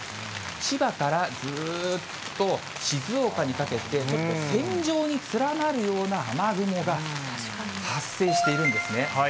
千葉からずーっと、静岡にかけて、結構、線状に連なるような雨雲が発生しているんですね。